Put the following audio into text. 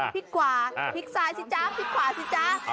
พี่ขวาสิจ๊ะ